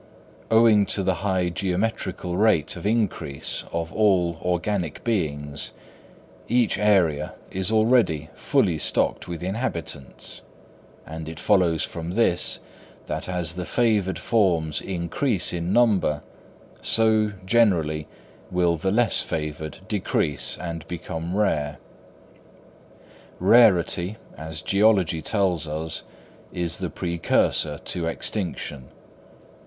Owing to the high geometrical rate of increase of all organic beings, each area is already fully stocked with inhabitants, and it follows from this, that as the favoured forms increase in number, so, generally, will the less favoured decrease and become rare. Rarity, as geology tells us, is the precursor to extinction.